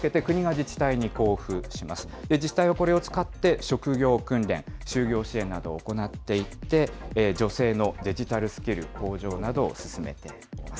自治体はこれを使って職業訓練、就業支援などを行っていって、女性のデジタルスキル向上などを進めています。